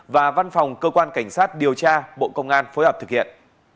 và văn phòng cơ quan cảnh sát điều tra bộ công an phối hợp thực hiện